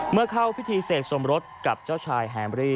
เข้าพิธีเสกสมรสกับเจ้าชายแฮมรี่